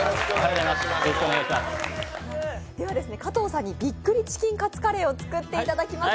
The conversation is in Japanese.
では加藤さんにビックリチキンカツカレーを作っていただきます。